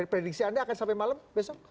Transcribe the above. prediksi anda akan sampai malam besok